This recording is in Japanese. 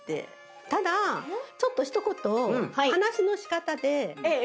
ただちょっと一言。